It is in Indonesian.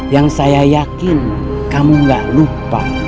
yang saya yakin kamu gak lupa